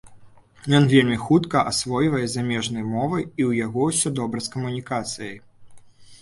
Ён вельмі хутка асвойвае замежныя мовы і ў яго ўсё добра з камунікацыяй.